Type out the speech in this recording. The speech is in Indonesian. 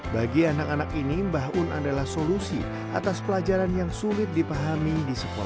bagi anak anak ini mbah un adalah solusi atas pelajaran yang sulit dipahami di sekolah